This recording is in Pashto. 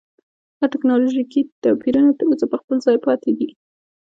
دا ټکنالوژیکي توپیرونه تر اوسه په خپل ځای پاتې دي.